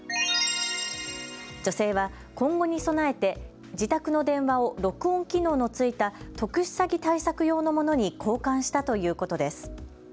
女性は今後に備えて自宅の電話を録音機能の付いた特殊詐欺対策用のものに交換したということです。